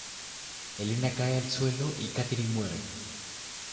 Elena cae al suelo y Katherine muere.